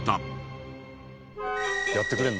やってくれるの？